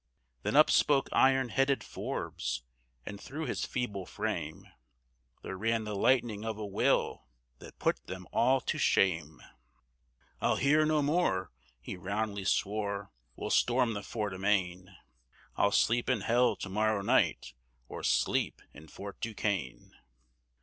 Then up spoke iron headed Forbes, and through his feeble frame There ran the lightning of a will that put them all to shame! "I'll hear no more," he roundly swore; "we'll storm the fort amain! I'll sleep in hell to morrow night, or sleep in Fort Duquesne!"